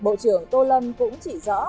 bộ trưởng tô lâm cũng chỉ rõ